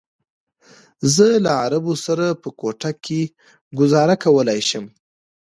زه له عربو سره په کوټه کې ګوزاره کولی شم.